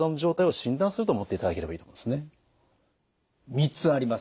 ３つあります。